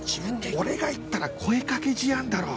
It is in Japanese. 俺が行ったら声掛け事案だろ。